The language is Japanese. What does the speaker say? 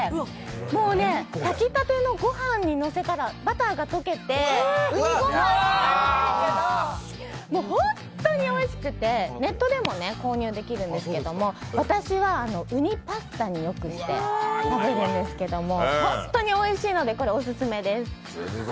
もう炊きたてのごはんにのせたらバターが溶けて、うにごはんになるんですけど本当においしくて、ネットでも購入できるんですけども私はうにパスタによくして食べるんですけども、本当においしいのでこれ、オススメです。